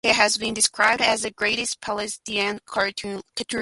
He has been described as the greatest Palestinian cartoonist.